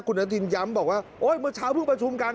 คุณอนุทินย้ำบอกว่าโอ๊ยเมื่อเช้าเพิ่งประชุมกัน